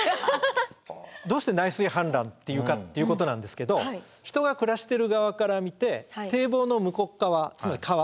どうして内水氾濫って言うかっていうことなんですけど人が暮らしてる側から見て堤防の向こう側つまり川。